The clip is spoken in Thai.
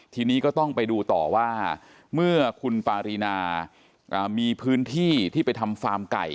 ทีนี้ก็ต้องไปดูต่อว่าเมื่อคุณปารีนามีพื้นที่ที่ไปทำฟาร์มไก่